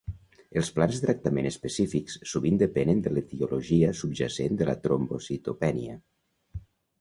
Els plans de tractament específics sovint depenen de l'etiologia subjacent de la trombocitopènia.